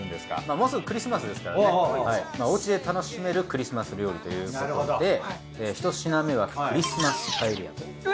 もうすぐクリスマスですからねお家で楽しめるクリスマス料理ということで１品目はクリスマスパエリアと。